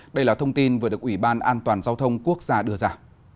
đây là thông tin vừa được ủy ban an toàn giao thông quốc gia đưa ra